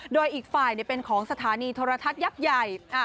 โดยอีกฝ่ายเป็นของสถานีโทรทัศน์ยักษ์ใหญ่